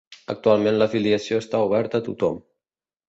Actualment l'afiliació està oberta a tothom.